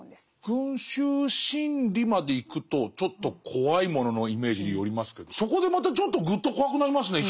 「群衆心理」までいくとちょっと怖いもののイメージに寄りますけどそこでまたちょっとぐっと怖くなりますね。